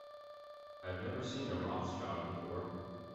I have never seen a Rothschild before.